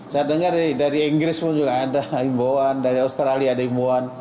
saya dengar dari inggris pun juga ada himbauan dari australia ada imbauan